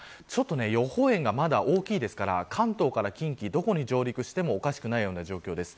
予報円がまだ大きいですから関東から近畿、どこに上陸してもおかしくないような状況です。